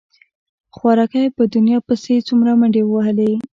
خواركى په دنيا پسې يې څومره منډې ووهلې.